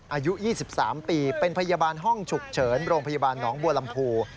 อายุ๒๓ปีเป็นพยาบาลห้องฉุกเฉินโรงพยาบาลหนองบัวลำพู